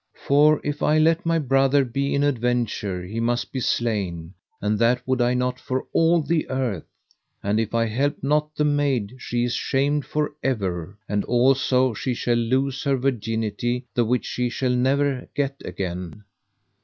For if I let my brother be in adventure he must be slain, and that would I not for all the earth. And if I help not the maid she is shamed for ever, and also she shall lose her virginity the which she shall never get again.